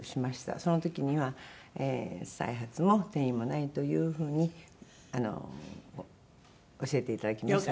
その時には再発も転移もないという風に教えていただきました。